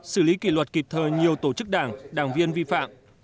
xử lý kỷ luật kịp thời nhiều tổ chức đảng đảng viên vi phạm